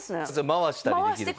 回したりできるから。